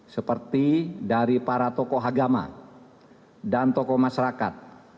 seperti dari para tokoh agama dan tokoh masyarakat